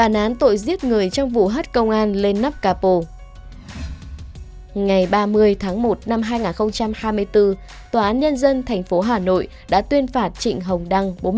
ngày ba mươi tháng một năm hai nghìn hai mươi bốn tòa án nhân dân tp hà nội đã tuyên phạt trịnh hồng đăng